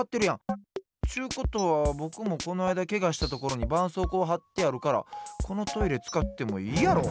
ちゅうことはぼくもこのあいだけがしたところにばんそうこうはってあるからこのトイレつかってもいいやろ！